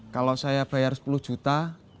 kalau saya bayar sepuluh juta